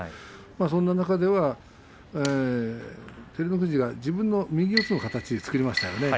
そんな中では照ノ富士が自分の右四つの形を作りましたよね。